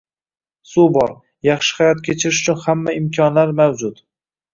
Suv bor, yaxshi hayot kechirish uchun hamma imkonlar mavjud.